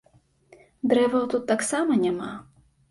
Дрэваў тут таксама няма.